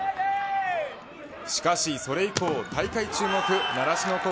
しかしそれ以降、大会注目習志野